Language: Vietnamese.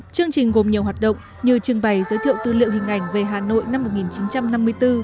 chương trình gồm nhiều hoạt động như trưng bày giới thiệu tư liệu hình ảnh về hà nội năm một nghìn chín trăm năm mươi bốn